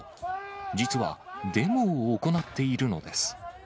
実は、デモを行っているのです。